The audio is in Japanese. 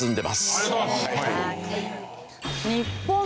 ありがとうございます。